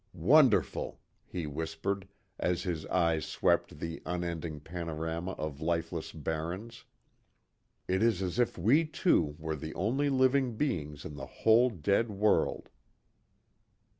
"Wonderful," he whispered, as his eyes swept the unending panorama of lifeless barrens. "It is as if we two were the only living beings in the whole dead world."